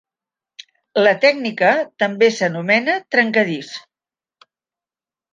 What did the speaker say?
La tècnica també s'anomena trencadís.